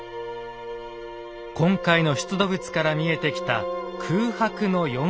今回の出土物から見えてきた空白の４世紀。